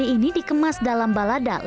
aku akan berubah